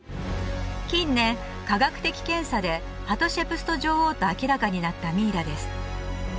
近年科学的検査でハトシェプスト女王と明らかになったミイラです